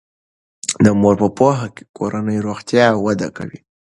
د مور په پوهه کورنی روغتیا وده کوي.